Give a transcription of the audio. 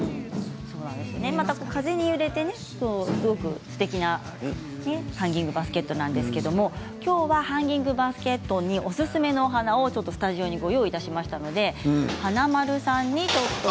また、風に揺れてすごくすてきなハンギングバスケットなんですけれど、きょうはハンギングバスケットにおすすめなお花をスタジオにご用意いたしましたので華丸さんにちょっと。